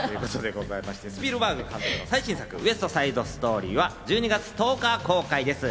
スピルバーグ監督の最新作『ウエスト・サイド・ストーリー』は１２月１０日公開です。